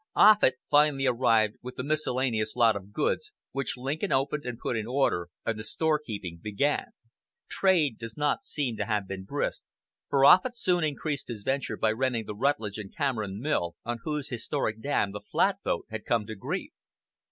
Offut finally arrived with a miscellaneous lot of goods, which Lincoln opened and put in order, and the storekeeping began. Trade does not seem to have been brisk, for Offut soon increased his venture by renting the Rutledge and Cameron mill, on whose historic dam the flatboat had come to grief.